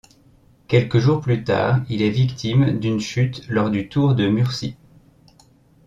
Quelques jours plus tard, il est victime d'une chute lors du Tour de Murcie.